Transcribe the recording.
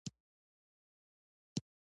ما ورته وویل: سیمه، زه وایم که يې وپېرم، ښه به وي.